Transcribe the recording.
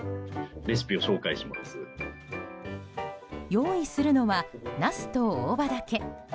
用意するのはナスと大葉だけ。